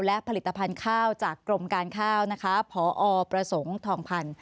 และผลิตภัณฑ์ข้าวจากกรมการข้าวนะคะพอประสงค์ทองพันธ์